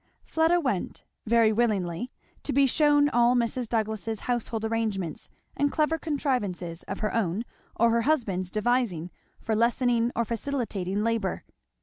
Fleda went, very willingly, to be shewn all Mrs. Douglass's household arrangements and clever contrivances, of her own or her husband's devising, for lessening or facilitating labour.